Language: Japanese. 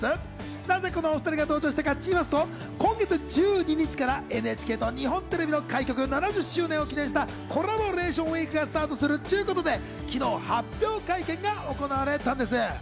なぜこのお２人が登場したかって言いますと、今月１２日からＮＨＫと日本テレビの開局７０周年を記念したコラボレーションウイークがスタートするっちゅうことで、昨日発表会見が行われたんです。